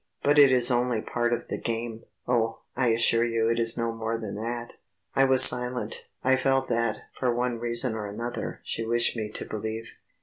But it is only part of the game. Oh, I assure you it is no more than that." I was silent. I felt that, for one reason or another, she wished me to believe.